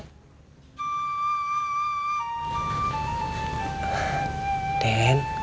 makanya akang teh mau bangunin deni buat shalat